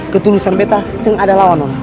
ketulusan beta seng ada lawan ono